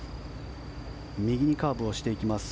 右にカーブしていきます。